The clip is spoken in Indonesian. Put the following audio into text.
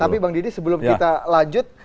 tapi bang didi sebelum kita lanjut